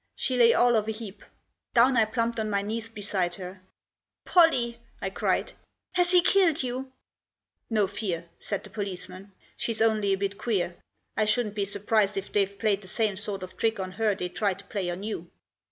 She lay all of a heap. Down I plumped on my knees beside her. " Pollie 1 " I cried. " Has he killed you ?"" No fear," said the policeman. " She's only a bit queer. I shouldn't be surprised if they've played the same sort of trick on her they tried to play*on you."